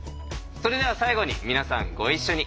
それでは最後に皆さんご一緒に。